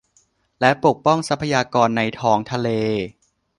และปกป้องทรัพยากรในท้องทะเล